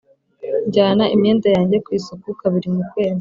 njyana imyenda yanjye ku isuku kabiri mu kwezi.